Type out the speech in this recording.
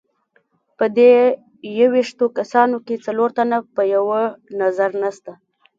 په دې یوویشتو کسانو کې څلور تنه په یوه نظر نسته.